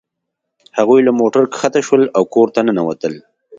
هغوی له موټر ښکته شول او کور ته ننوتل